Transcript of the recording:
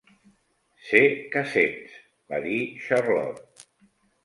""Sé què sents," va dir Charlotte.